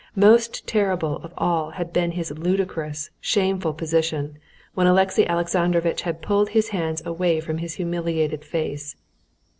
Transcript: Most terrible of all had been his ludicrous, shameful position when Alexey Alexandrovitch had pulled his hands away from his humiliated face.